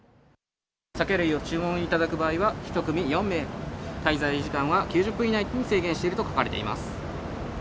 酒類を注文いただく場合は１組４名滞在時間は９０分以内に制限していると書かれています。